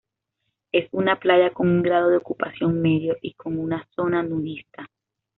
Es una playa con un grado de ocupación medio y con una zona nudista.